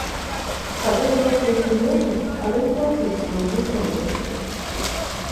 Тады грошай не вернуць, але і плаціць зноў не трэба будзе.